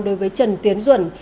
đối với trần tiến duẩn